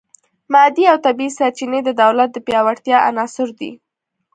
مادي او طبیعي سرچینې د دولت د پیاوړتیا عناصر دي